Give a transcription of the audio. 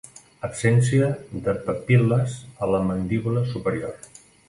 Absència de papil·les a la mandíbula superior.